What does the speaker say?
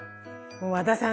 和田さん